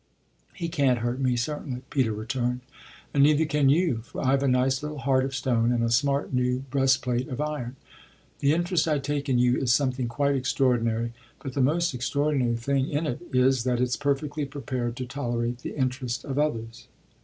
"He can't hurt me, certainly," Peter returned, "and neither can you; for I've a nice little heart of stone and a smart new breastplate of iron. The interest I take in you is something quite extraordinary; but the most extraordinary thing in it is that it's perfectly prepared to tolerate the interest of others."